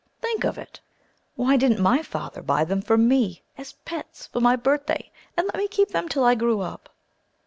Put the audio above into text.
Think of it! Why didn't my father buy them for me, as pets, for my birthday and let me keep them till I grew up?